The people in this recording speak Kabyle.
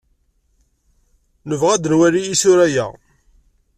Nebɣa ad nwali isura-a.